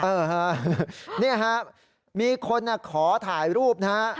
เออฮะนี่ครับมีคนขอถ่ายรูปนะฮะ